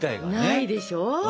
ないでしょう？